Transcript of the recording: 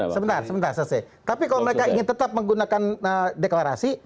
sebentar sebentar selesai tapi kalau mereka ingin tetap menggunakan deklarasi